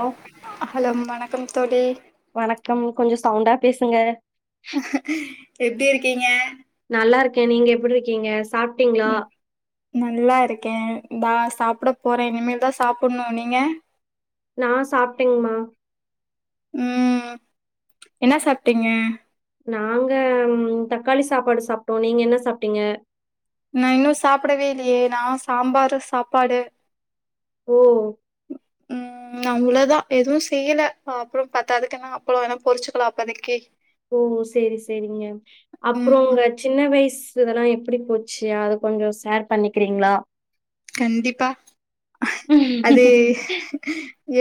Hello hello வணக் கம் தோழி வணக்கம் கொஞ்சம் சவுண்டா பேசுங்க எப்படி இருக்கீங்க கேன் நீங்க எப்படி இருக்கீங்க சாப்ட்டீங்களா? உம் நல்லா இருக்கேன் பாஸ் சாப்ட போறேன் இனிமேல் தான் சாப்டணும் நீங்க நான் சாப்பிட்டேங்கமா உம் என்ன சாப்பிட்டீங்க நாங்க தக்காளி சாப்பாடு சாப்பிட்டோம் நீங்க என்ன சாப்பிட்டீங்க நான் இன்னும் சாப்பிடவே இல்லையே நான் சாம்பாரு சாப்பாடு ஓ உஹம் ந அவ்ளதான் எதுவும் செய்யல அப்புறம் பத்தா அதுக்கு எனா அப்பளம் வேனா பொரிச்சுக்கலாம் அப்பதைக்கு ஓ சேரி சேரிங்க அப்புறம் ம் உங்க சின்ன வயசு இதெல்லாம் எப்படி போச்சு அத கொஞ்சம் ஷேர் பண்ணிக்கிறீங்களா கண்டிப்பா அதே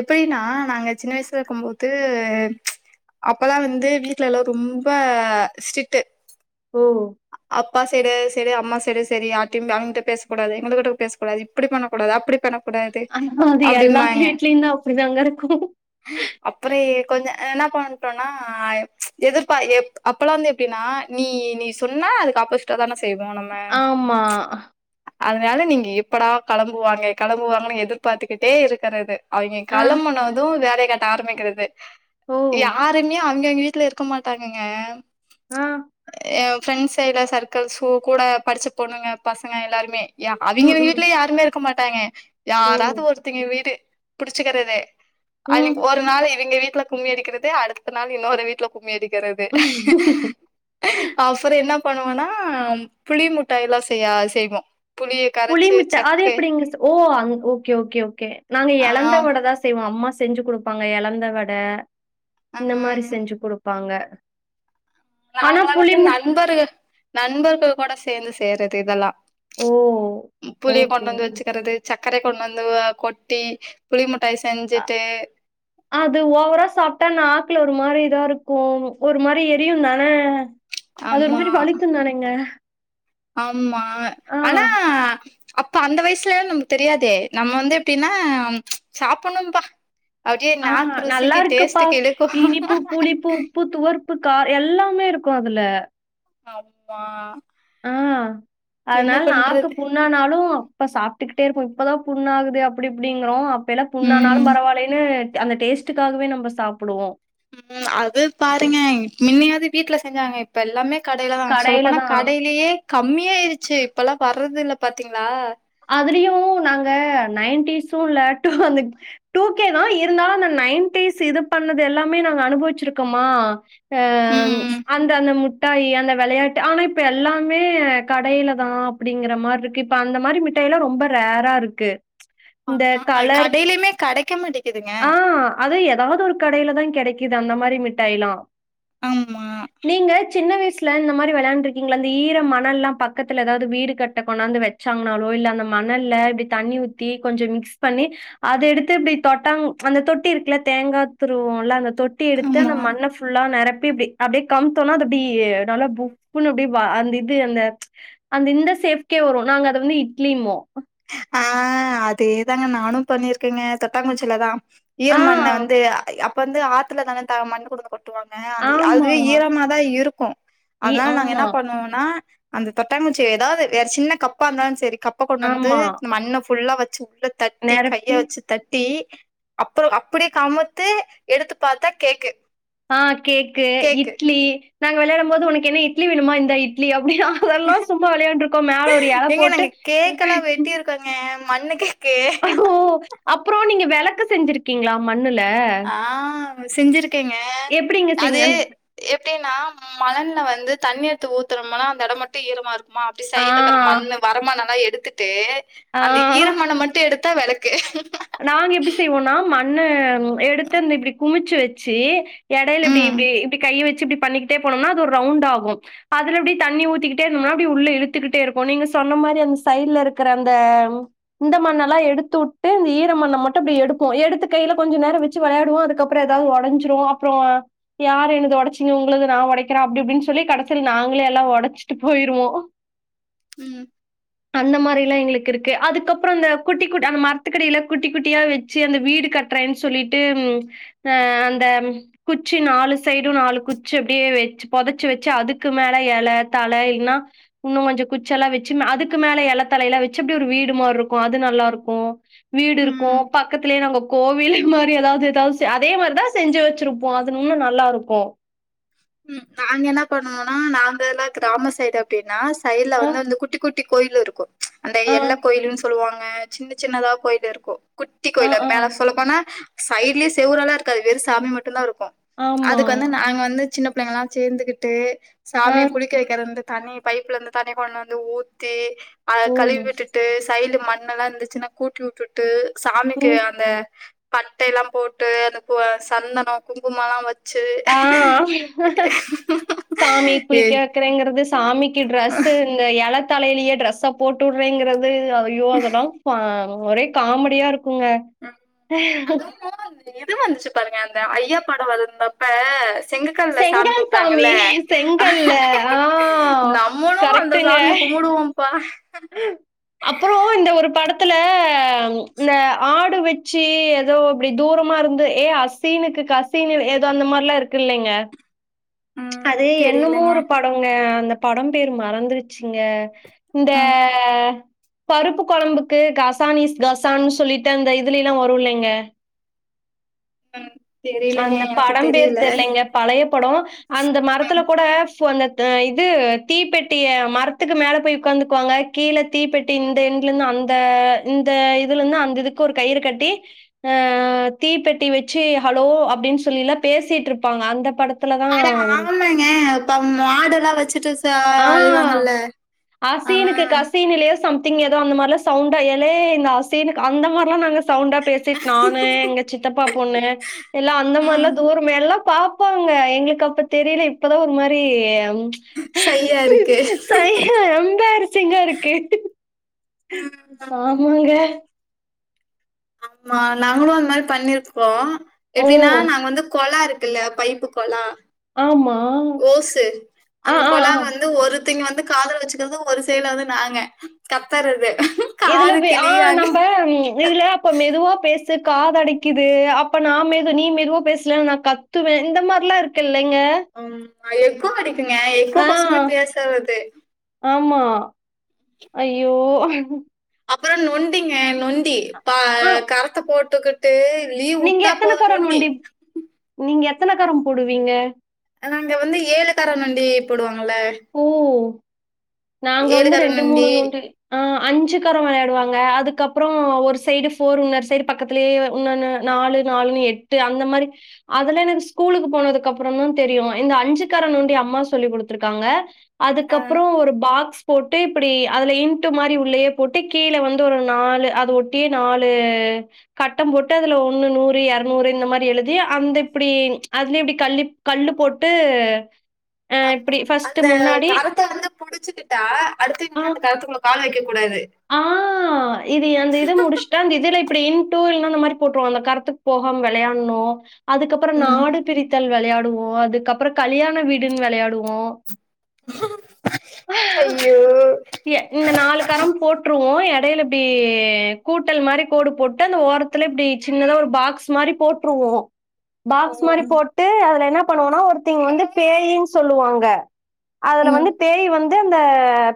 எப்படின்னா நாங்க சின்ன வயசுல இருக்கும்போது அப்பதான் வந்து வீட்டுல எல்லாம் ரொம்ப ஸ்ட்ரிக்ட் ஓ பா சைடு சடு அம்மா சைடு சரி யார்டயும் அவங் கிட்ட பேச கூடாது இவனுகிட்ட பேசக் கூடாது இப்படி பண்ணக் கூடாது அப்டி பண்ண ஆஹ அது எல்லாத்து வீட்லயும் தான் அப்படி தாங்க இருக்கும் கொஞ்சம் என்ன பண்ணிட்டோம்னா எதிர்ப அப்பல்லாம் வந்து எப்படின்னா நீ நீ சொன்னா அதுக்கு ஆப்போசிட்டா தான செ ஆமா அதனால நீங்க இப்படா கெளம்புவாங்க கெளம்புவாங்கன்னு எதிர்பாத்துக்கிட்டே இருக்கறது அவெங்க ஆ கெளம்புனதும் வேற எ கட்ட ஆரம்பிக்கிறது ஓ யாருமே அவங்கெ அவெங்க வீட் வீட்ல இருக்க மாட்டாங்கங்க ஆ ஏவ் ஃப்ரெண்ட்ஸ்சைடா சர்க்கிள்ஸு கூட படிச்சு பொண்ணுங்க பசங்க எல்லாருமே அவெங்க அவெங்க ம் ம் வீட்ல யாருமே இருக்க மாட்டங் ட்டாங்க ஓ யாராவது ஒருத்தெங்க வீடு புடிச்சுக்கிறதே அன்னைககி ம் ஒரு நாள் இவெங்க வீட் ல கும்மி அடிக்கிறது அடுத்த நாள் இன்னொரு வீட்ல கும்மி அடிக் க்கிறது என்ன பண்ணுவோன்னா புளி முட்டாயல்லா செய்ய ஆ செய்வோ புளிய கரைச்சு புளிமிட்டா அது சக்கு எப்டிங்க ஓ அந் ஓகே ஓகே ஓகே நாங்க ஆ எழந்தவடதா செய்வோ அம்மா செய் செஞ்சு குடுப்பாங்க எழந்த வட ஆ இந்த மாரி செஞ்சு குடுப்பாங்க ஆனா நாங்களா புளி வந்து மிட் நண்பர்கள் நண்பர்கள் கூட சேந்து செய்றது இதல்லா ஓ! புளிய ஓகே, கொண்டு வந்து ஓகே. வச்சுக்கறது சக் கரை கொண்டு வந்து கொட்டி புளி முட் அ அது ஓவரா சாப்ட்டா நாக்குல ஒட் ஒரு மாரி இதா இருக்கும் ஒரு மாரி எரியுந்தான அது ஒரு மாரி வலிக்கு தானங்க ஆம்மா ஆனா அப்ப அந்த வயசுல்ல நம்க்கு தெரியாதே நம்ம வந்து எப்டின்னா சாப்டணும்ப்பா ஆ நல்லா இருக்குப்பா இழுக்கு இனிப்பு புளிப்பு உப்பு துவர்ப்பு கா எல்லாமே இருக்கு அதுல அப்பா ஆ அதனால நாக்கு பண்றது புண்ணானாலு இப்ப சாப்ட்டுக்கிட்டே இருப்போ இப்பதா புண்ண ஆகுது அப்டி இப்டிங்குறோ இப்பலா புண்ணாானாலோ ம் பரவாயில்லைன்னு அந்த டேஸ்ட்டுக்காகவே நம்ம சாப்புடுவோ ம் அது பாருங்க மின்னயாது வீட்ல செஞ்சாங்க இப்ப எல்லாமே கடைல தா சொல்ல கடையில போனா தான். கடையே கம்மியாயிருச்சு இப்பெல்லா வர்றது இல் பாத்தீங்களா அதுலயு நாங்க நைன்டிஸும் இல்ல டு அந்த டூ கே தா இருந்தாலோ அந்த நைன்டிஸ் இது பண்ணது எல்லாமே நாங்க அனுபவிச்சிருக்கோமா எ ம் அந் அந்த முட் மிட்டாயி அந்த வெளையாட்டு ஆனா இப்ப எல்லாமே கடைல தா அப்டீங்குற மாரி இருக்கு இப்ப அந்த மாரி மிட் டல்லா ரொம்ப ரேரா இருக்கு ஆ இந்த கலர் கடையிலயுமே கெடைக்க மாட்டேக்குதுங்க ஆ அது ஏதாவது ஒரு கடைல தா கிடைக் இது அந்த மாரி மிட்டாய்லா ஆமா நீங்க சின்ன வயசு சுல இந்த மாரி வெளாண்டு இருக்கீங்களா அந்த ஈர மணல்லாம் பக்கத்துல ஏதாவது வீடு கட்ட கொண்டாந்து வெச்சாங்கன்னாலோ இல்ல இந்த மணல்ல இப்டி தண்ணி ஊத்தி கொஞ்சோ மிக்ஸ் பண்ணி அத எடுத்து இப்டி தொட்டா அந்த தொட்டி இருக்குல்ல தேங்காய் துருவோல அந்த தொட்டி எடுத்து ஆமா அந்த மண்ண ஃபுல்லா நெரப் ப்படி அப்பிடியே கமுத்தோனா அது அப்டி நல்லா புஃப்ஃபுன்னு அப்டியே வ அந்த இது அந்த ச்ச அந்த இந்த ஷேப்கே வரும் நாங்க அத வந்து இ ட்லின்மோ ஆ அதே தாங்க நானும் பண்ணிருக்கேங்க தொட்டாங்குச்சிலதா ஆ. ஈரமண்ண வந்து அய் அப் வந்து ஆத்துல தானே த மண் கொண்டந்து கொட் டுவாங்க அந்த ஆமா. அதுவே ஈரமாதா இருக்கோ இ அதனால நாங்க ஆமா, என்ன பண்ணுவோனா அந்த தொட்டாங்குச்சி ஏதாவது வேற சின்ன கப்பா இருந்தாலோ செரி கப்ப கொண்டந் ந்து ஆமா. மண்ணப் ஃபு ஃபுல்லா வெச்சு உள்ள தட்டி கைய நெரப்பி வெச்சு தட்டி அப்புறோ அப்பிடியே கமுத்து எடுத்து பார்த்தா கேக்கு ஆ கேக்கு கேக்கு இட்லி நாங்க வெளயாடம் போது உனக்கு என்ன இட்லி வேணுமா இந்தா இட்லி அதெல்லா சும்மா வெளையாண்டு இருக்கோ மேல ஒரு எல ஏங்க போட்டு மண்ணுக்கே ஓ அப்புறோ நீங்க வேற வெளக்கு செஞ்சிருக்கீங்களா ம ஆ செஞ்சிருக்கேங்க எப்படிங்க செஞ் அது அந் எப்டின்னா மணல் ல வந்து தண்ணி எத்து ஊத்துனம்னா அந்த எடம் மட்டும் ஈரமா இருக் குமா அப்டி ஆ, சைட்ல இருக்கற மண்ணு வரமண்ணல்லா எடுத் த்துட்டு அந்த ஆ. ஈரமண்ண மட்டும் எடுத் டுத்தா வெளக்கு நாங்க எப்பிடி செய்வோம்னா மண் ண்ணு எடுத்து அந்த இப்புடி குமிச்சு வச் ச்சி எடையில இப்டி ம் இப்டி இப்டி கைய வச் சி இப்டி பண்ணிக்கிட்டே போனோம்னா அது ஒரு ரவுண்டாகும் அதுல அப்டி தண்ணி ஊத்திக்கிட்டே இருந்ததோம்னா உள்ள இழுத்துகிட்டே இருக்கும் நீங்க சொன்ன மாரி அந்த சைடுல இருக்க அந்த இந்த மண்ணல்லாம் எடுத்து வுட்டு அந்த ஈ ரமண்ண மட்டும் அப்டி எடுப்போம் எடுத்து கையில கொஞ்சம் நேரம் வச்சு விளையாடுவம் அதுக்கப்பறம் ஏதாவது ஒடைஞ்சுடும் அப்பறம் யார் என்து ஒடைச்சிங்க உங்களது நா ஒடைக்கிறே அப்டி அப்டின்னு இப்டின்னு சொல்லி கடைசில நாங்களே எல்லாம் ஒடைச்சிட்டு போயிருவோம் ம் அந்த மாரிலாம் எங்களுக் இருக்கு அதுக்கப்பறம் இந்த குட்டி குட்டி அந்த மரத்துக்கடியில குட்டி குட்டியா வச்சு அந்த வீடு கட்டுறேன்னு சொல்லிட்டு அ அந்த குச்சி நாலு சைடும் நாலு குச்சி அப்டியே வச்சு புதைச்சு வச்சு அதுக்கு மேல இலை தலை இல்லைன்னா இன்னும் கொஞ்சம் குச்ச எல்லாம் வச்சு அதுக்கு மேல எலை தலைய எல்லாம் வச்சு அப்படி ஒரு வீடு மாரி இருக்கும் அது நல்லா இருக்கும் வீடு ம் இருக்கும் பக்கத்திலேயே நாங்க கோவில் மாரி ஏதாவது ஏதாவது அதே மாரிதா செஞ்சு வச்சிருப்போம் அது இன்னும் நல்லா இருக்கும் ம் நாங்க என்ன பண்ணனும்னா நாங்கெல்லாம் கிராம சைடு அப்டின்னா சையடுல ஆ, வந்து குட்டி குட்டி குட்டி கோயில் இருக்கும் அந்த ஆ, எல்ல கோயில்னு சொல்லுவாங் அ சின்ன சின்னதா போயிட்டு இருக்கும் குட்டி ஆ, கோயில் அது ஆ. மேல சொல்லபோனா சைட்லயே செவ்ராலாம் இருக்காது வெறும் சாமி மட்டும்தா இருக்கும் ஆமா. அதுக்கு வந்து நாங்க வந்து சின்ன பிள்ளைங்கலாம் சேந்துகிட்டு ஆ, சாமிய குளிக்கவைக்கறதுன்ட்டு தண்ணி பைப்புல இருந்து தண்ணி கொண்டு வந்து ஊத்தி அத ஓ! கழுவி விட்டுட்டு சைடுல மண்ணெல்லாம் இருந்துச்சுன்னா கூட்டி வுட்டுட்டு சாமிக்கு ம். அந்த பட்டைலாம் போட்டு அந்த சந்தனம் குங்குமம் எல்லாம் வச் சு ஆ. சாமி குளிக்க வைக்குறேங்கிறது சாமிக்கு ட்ரெஸ் இந்த செல தலையிலயே ட்ரஸ்ஸ போட்டுறேங்கிறது [unintelligible] அய்யோ அதெல்லா பா ஒரே காமெடியா இருக் அதுவு இது வந்துச்சு பாருங்க இந்த ஐயா படம் வந்தப்ப செங்கக்கல்ல சாமி செங்கல் கும்பிட்டாங்கல்ல செங்கல்ல ஆ நம்மளு அந்த சாமிய கும்பிடுவோம்ப்பா அப்புறோ இந்த ஒரு படத்துல இந்த ஆடு வச்சு ஏதோ அப்படி தூரமா இருந்து ஏ அசீனுக்கு கசீனு ஏதோ அந்த மாரிலா இருக்கு இல்லைங்க ம் அது என்னமோ தெரியலங்க ஒரு படங்க அந்த படம் பேர் மறந்துருச்சுங்க இந்த ம் பருப்பு கொழம்புக்கு கசானிஸ் கசான்னு சொல்லிட்டு அந்த இதுல எல்லா வருல்லைங்க ம் தெரியலங்க அந்த எனக்கு படம் பேர் தெரியல தெரிலங்க பழைய படம் அந்த மரத்துல கூட இப்போ அந்த இது தீப்பெட்டிய மரத்துக்கு மேல போய் உட்காந்துக்குவாங்க கீழ தீப்பெட்டி இந்த எண்ட்ல இருந்து அந்த இந்த இதுல இருந்து அந்த இதுக்கு ஒரு கயிறு கட்டி ஆ தீப்பெட்டி வச்சு ஹலோ அப்படின் சொல்லிலா பேசிட்ருப்பாங்க அந்த படத் அட ஆமங்க இப்ப மாடெல்லா வச்சுட்டு ச ஆ அழிவாங்கல்ல ஆ அசீனுக்கு கசீனுலயோ சம் திங் ஏதோ அந்த மாரிலா சவுண்டா எலே இந்த அசினுக்கு அந்த மாரிலா நாங்க சவுண்டா பேசிட்டு நானு எங்க சித்தப்பா பொண்ணு எல்லா அந்த மாரிலா ம் தூரம் எல்லா பாப்பாங்க எங்களுக்கு அப்ப தெரியல இப்பதா ஒரு மாரி சையா இருக்கு சையா எம்பேரிசிங்கா இருக்கு ம் ஆமாங்க ஆமா நாங்களு அந்த மாரி பண்ணிருக்கோ ஓ எப்டின்னா நாங்க வந்து கொழா இருக் குல்ல பைப்பு கொழா ஆமா ஓசு ஆ அந்த ஆ ஆ கொழா வந்து ஒரு தின் வந்து காதுல வச்சுக்கறது ஒரு சைட்ல வந்து நாங்க கத்தறது இதுல காது ஆ கிழியாங்க நம்ம இதுல அப்ப மெதுவா பேஸ் டு காத அடைக்குது அப்ப நா மெது நீ மெதுவா பேசலனா நா கத்துவே இந்த மாரிலா இருக்கு இல்லைங்க ஆ எக்கோ அடி கிங்க எக்கோ ஆ கொசரமே பேசறது ஆமா ஐயோ அப்புறோ நொண்டிங்க நொண் டி பா ஆ கறத்த போட் ட்டுக்குட்டு நீங்க எத்தன கார நொண்டி நீங்க எத்தனக்காரம் போடுவீங்க நாங்க வந்து ஏழுக்கார நொண்டி போடுவாங்க ம்ல ஓ! நாங்க வந்து ரெண்டு மூணு நொண்டி ஆஹ் அஞ்சு காரம் வெளையாடுவாங்க அதுக்கப்புறம் ஒரு சைடு ஃபோர் இன்னொரு சைடு பக்கத்துலயே இன்னன்னு நாலு நாலுன் எட்டு அந்த மாரி அதெலா எனக்கு ஸ்கூலுக்கு போனதுக்கு அப்புறம் தா தெரியு இந்த அஞ்சு கர நொண்டி அம்மா சொல்லி கொடுத்துருக் க்காங்க ஆ, அதுக்கப்புறம் ஒரு பாக்ஸ் போட்டு இப்படி அதுல இன்ட்டு மாரி உள்ளயே போட்டு கீழ வந்து ஒரு நாலு அது ஒட்டியே நாலு கட்டம் போட்டு அதுல ஒண்ணு நூறு எர்நூறு இந்த மாரி எழுதி அந்த இப்டி அதுலே இப்டி கல்லி கல்லு போட்டு அ ஆம் இப்டி அந்த ஃபர்ஸ்ட்டு முன்னாடி கரத்த வந்து புடுச்சுகிட்டா அடுத்து ஆ இனிமே அந்த கரத்துக்குல்ல கால் வக்க ஆ இது எந்த இது முடுச்ட்டா அந்த இதுல இப்டி இன்டூ அந்த மாரி போட்ருவோ அந்த கரத்துக் போகாம வெளையான்ணு அதுக்கப்றோ ம் நாடு பிரித்தல் வெளையாட் டுவோ அதுக்கப்றோ கல்யாண வீடுன் வெளையாடுவோ அய்யோ வோ எடைல இப்டி கூட்டல் மாரி கோடு போட்டு அந்த ஓரத்துல இப்டி சின்னதா ஒரு பாக்ஸ் மாரி போட்ருவோ பாக்ஸ் மாரி ம் போட்டு அதுல என்ன பண்ணோனா ஒருத்திங் வந்து பேயின் சொல்லுவாங்க அதுல ம் வந்து பேய் வந் து அந்த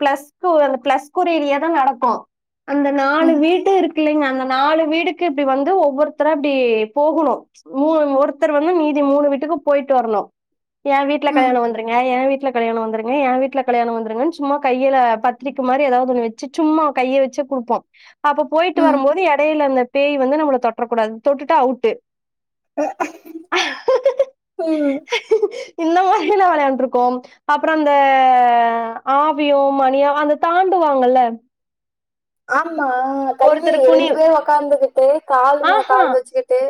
ப்ளஸ் கு அந்த ப்ளஸ் குறிலியே தா நடக்கு அந்த நாலு ம் வீட்டுருக் டுலிங்க அந்த நாலு வீடுக்கு இப்டி வந்து ஒவ்வொருத்தரா இப்டி போகணு மூ ஒருத்தர் வந்து மீதி மூணு வீட்டுக்கு போயிட்டு வர்ணு ஏ வீட்ல ம் கல்யாணொ வந்துருங்க ஏ வீட் ட்ல கல்யாணொ வந்துருங்க ஏ வீட்ல கல்யாணொ வந்துருங்கன் சும்மா கையில பத்ரிக்க மாரி எதாவது ஒன்னு வச் சு சும்மா கைய வச்சு குடுப்போ அப்ப போயிட்டு ம் வரும்போது ம் எடையில அந்த பேய் வந்து நம்மள தொட்ரக்கூடாது தொட்டுட்டா அவுட்டு் உம் இந்த மாரில்லா வெளயாண்ட்ருக்கோம் அப்ற அந்த ஆவியு மணியு அந்த தாண்டுவாங்கல்ல ஆம் மா தள்ளி ஒருத்தர் குனி ரெண்டு பேரு ஒக்காந்துக்கிட்டு கால் மேல கால் வச்சுகிட்டு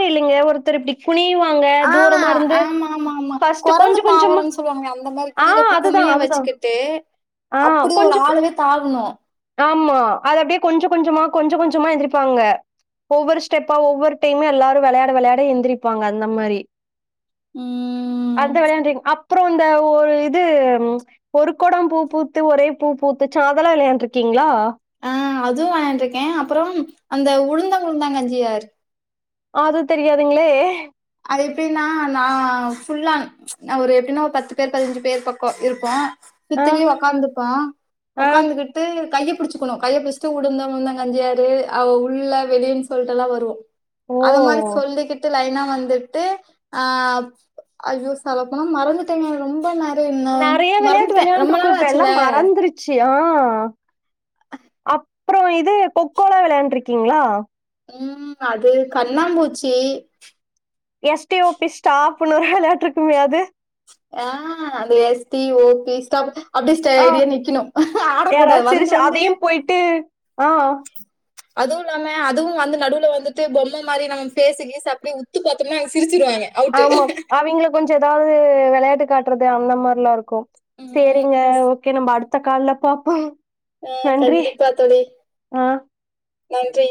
ரி இல்லெங்க ஒருத்தர் இப்டி குனிவாங்க ஆ தூரமா இருந்து ஆமாமாமா ஃபர்ஸ்ட் கொஞ்ச கொரங்கு கொஞ்சமா தாவுறன் சொல்லுவாங்லெ அந்த மாரி ஆ கீழ அதுதா குமிய அதுதா வச்சுகிட்டு ஆ அப்புடி ஒரு கொஞ்ச ஆளுவெ தாவுணு ஆமா அது அப்டியே கொஞ்ச கொஞ்சமா கொஞ்ச கொஞ்சமா எந்திரிப்பாங்க ஒவ்வொரு ஸ்டெப்பா ஒவ்வொரு டைம் எல்லாரு வெளையாட வெளையாட எந்திரிப்பாங்க அந்த மாரி ம் அந்த வெளையான்ரிங் அப் புறோ இந்த ஒரு இது ஒரு கொடம் பூ பூத்து ஒரே பூ பூத்துச்சா அதலா வெளயாண்ருக்கீங்ளா ம் அதுவு வெளயான்ட்ருக்கே அப்பறம் அந்த உளுந்தங் உளுந்தங்கஞ்சியார் அது தெரியாதுங்ளே அது எப்டின்னா நா ஃபுல்லான் ந ஒரு எப்டின்னா ஒரு பத்து பேர் பதினஞ்சு பேர் பக்கொ இருப்போ ஆ சுத்திலு ஒக்காந்துப்பா ஆ ஒக்காந்துகிட்டு கைய புடிச்சுக்கணு கைய புடிச்சிட்டு உளுந்த உளுந்த கஞ்சு ஆரு அவ உள்ள வெளியின் சொல்ட்டெல்லா வருவோ ஓ! அந்த மாரி சொல்லிகிட்டு லைனா வந் துட்டு அ ஐயோ சொல்லபோனா மரந்துட்டேங்க ரொம்ப நெ நறைய விளையாட்டு விளையாண்டுருக்கோ இப்ப எல்லா மறந்துருச்சு ஆ அப் அப்றோ இது கொக்கோலா விளையாண்டுருக்கீங்ளா ம் அது கண்ணாம்பூச்சி எஸ்டே ஓபிஸ் ஸ்டாப்புனு ஒரு விளையாட்ருக்குமே அது ஆ அந்த S T O P stop அப்டி ஆ ஸ்டேடியா நிக்கணு ஆடக்கூடாது யாராவது வந்து சிரிச்சு வந்து அதையும் போயிட்டு ஆ அதூல்லாம அதுவு வந்து நடுவுல வந்துட்டு பொம்ம மாரி நம்ம ஃபேசு கீஸு அப்டே உத்து பாத்தம்னா அங்க சிரிச் ஆமா அவிங்களு கொஞ்செதா து வெளையாட்டு காட்றது அந்த மார்ல்லா இருக்கு ம் சேரிங்க ஓகே நம்ம அடு த்த கால்ல பாப்போ ம் நன்றி கண்டிப்பா தோழி ஆ நன்றி